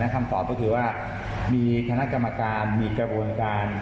คำตอบก็คือว่ามีคณะกรรมการมีกระบวนการ